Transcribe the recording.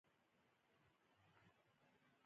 دا سفر له خیال پیلېږي.